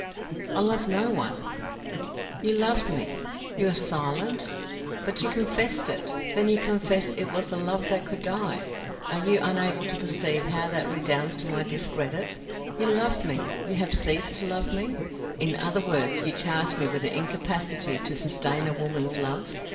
"I love no one." "You loved me. You are silent? but you confessed it. Then you confess it was a love that could die! Are you unable to perceive how that redounds to my discredit? You loved me, you have ceased to love me. In other words you charge me with incapacity to sustain a woman's love.